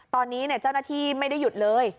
ตอนนี้เจ้าหน้าที่ไม่ได้หยุดเลย